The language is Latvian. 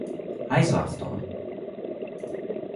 Aizvāc to!